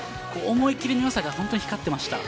思い切りのよさが光っていました。